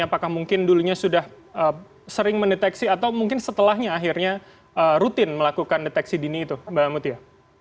apakah mungkin dulunya sudah sering mendeteksi atau mungkin setelahnya akhirnya rutin melakukan deteksi dini itu mbak mutia